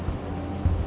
jadi saya akan tulus